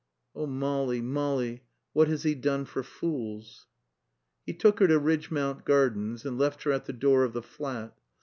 Oh, Molly, Molly, what has he done for fools? He took her to Ridgmount Gardens, and left her at the door of the flat.